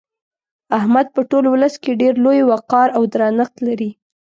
احمد په ټول ولس کې ډېر لوی وقار او درنښت لري.